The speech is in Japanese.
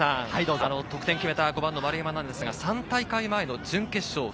得点を決めた５番の丸山ですが、３大会前の準決勝。